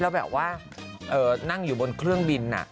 แล้วแบบว่านั่งอยู่บนเครื่องบิน